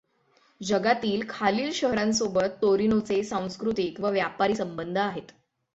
जगातील खालील शहरांसोबत तोरिनोचे सांस्कृतिक व व्यापारी संबंध आहेत.